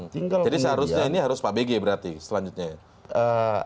jadi seharusnya ini harus pak bg berarti selanjutnya ya